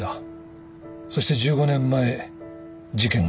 そして１５年前事件が起きた。